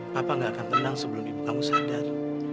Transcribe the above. papa gak akan tenang sebelum ibu kamu sadar